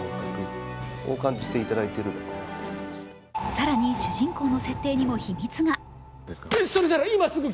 更に、主人公の設定にも秘密が。